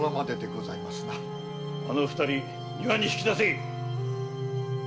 あの二人庭に引き出せ！